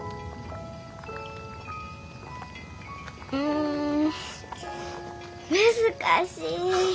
ん難しい。